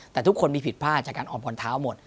แต่ทุกคนมีผิดพลาดจากการออมพรเท้าหมด